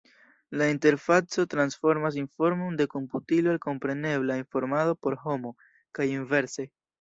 La interfaco transformas informon de komputilo al komprenebla informado por homo, kaj inverse.